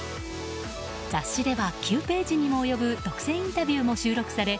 雑誌では９ページにも及ぶ独占インタビューも収録され